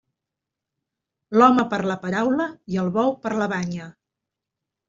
L'home per la paraula i el bou per la banya.